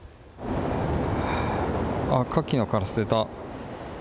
あっ、カキの殻捨てた。